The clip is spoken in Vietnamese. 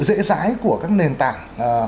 dễ dãi của các nền tảng